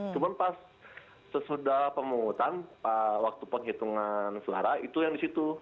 cuman pas sesudah pemungutan waktu penghitungan suara itu yang di situ